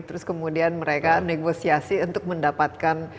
terus kemudian mereka negosiasi untuk mendapatkan